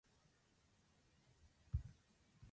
Əməliyyat baş tutmadı.